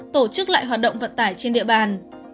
tổ chức lại hoạt động vận tải trên địa bàn